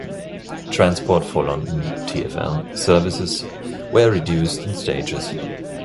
Transport for London (TfL) services were reduced in stages.